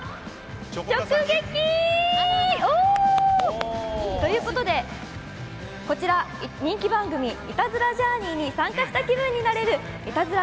直撃！ということで、こちら人気番組「イタズラジャーニー」に参加した気分になれるイタズラ